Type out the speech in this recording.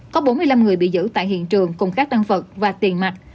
có bốn mươi năm người bị giữ tại hiện trường cùng các đăng vật và tiền mạch